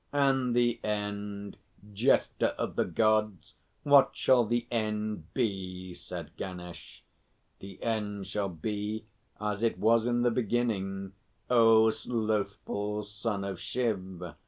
"And the end, Jester of the Gods? What shall the end be?" said Ganesh. "The end shall be as it was in the beginning, O slothful son of Shiv!